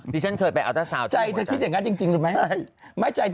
เธอคิดอย่างนั้นจริงหรือไม่